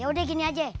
yaudah gini aja